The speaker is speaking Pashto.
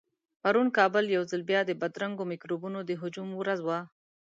پرون کابل يو ځل بيا د بدرنګو مکروبونو د هجوم ورځ وه.